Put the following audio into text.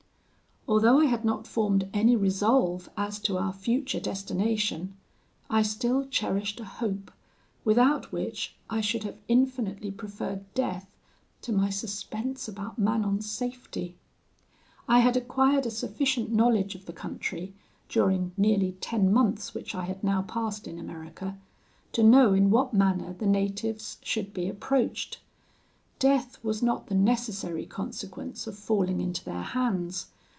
"Although I had not formed any resolve as to our future destination, I still cherished a hope, without which I should have infinitely preferred death to my suspense about Manon's safety. I had acquired a sufficient knowledge of the country, during nearly ten months which I had now passed in America, to know in what manner the natives should be approached. Death was not the necessary consequence of falling into their hands.